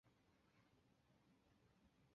洛基的赌注是连续体谬误的一例。